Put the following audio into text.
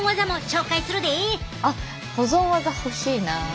あっ保存ワザ欲しいな。